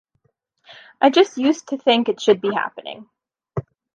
I just used to think it should be happening.